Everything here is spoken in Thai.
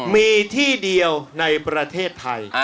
มีที่เดียวในประเทศไทย